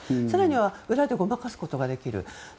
更には裏でごまかすことができる。